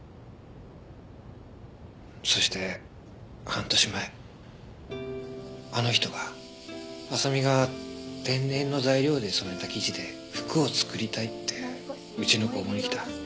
そして半年前あの人が麻未が天然の材料で染めた生地で服を作りたいってうちの工房に来た。